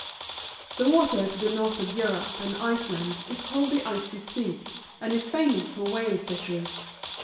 The water to the north of Europe and Iceland is called the Icy Sea, and is famous for Whale Fishery.